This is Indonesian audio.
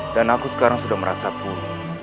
dan aku sekarang sudah merasa buruk